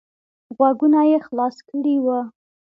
غوږونه یې خلاص کړي وو.